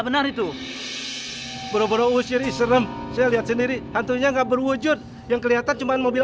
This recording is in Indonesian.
benar itu boro boro usir iserem saya lihat sendiri hantunya nggak berwujud yang kelihatan cuman mobil